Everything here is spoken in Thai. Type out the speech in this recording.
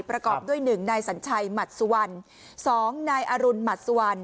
ประกอบด้วย๑นายสัญชัยหมัดสุวรรณ๒นายอรุณหมัดสุวรรณ